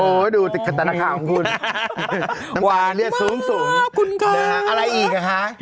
โอ้ยดูติดขนาดข้าวของคุณน้ำตาเลือดสูงคุณคะอะไรอีกค่ะ